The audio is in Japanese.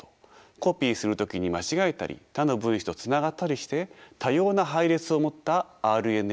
コピーする時に間違えたり他の分子とつながったりして多様な配列を持ったＲＮＡが作られます。